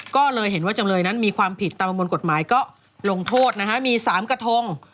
ก็เลยเห็นว่าจำเลยนั้นมีความผิดตามประมวลกฎหมายก็ลงโทษนะฮะมี๓กระทง